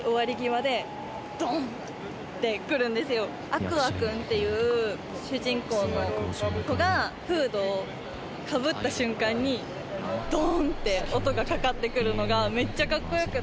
：アクア君っていう主人公の子がフードをかぶった瞬間にドーンって音がかかってくるのがめっちゃ格好良くて。